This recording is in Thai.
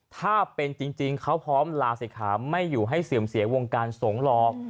ถ้าเป็นจริงเขาพร้อมลาเศรษฐาไม่อยู่ให้เสื่อมเสียวงการสงฆ์หรอก